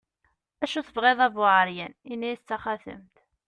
acu tebɣiḍ a bu ɛeryan, yenna-as d taxatemt